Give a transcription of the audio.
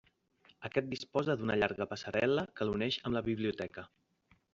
Aquest disposa d'una llarga passarel·la que l'uneix amb la biblioteca.